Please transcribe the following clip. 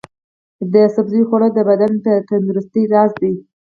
د سبزیو خوړل د بدن د تندرستۍ راز دی.